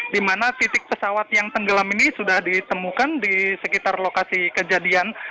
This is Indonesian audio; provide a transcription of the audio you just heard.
di mana titik pesawat yang tenggelam ini sudah ditemukan di sekitar lokasi kejadian